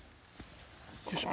よいしょ